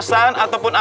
zaman dahulu ki